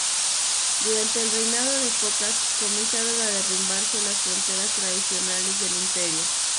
Durante el reinado de Focas comenzaron a derrumbarse las fronteras tradicionales del Imperio.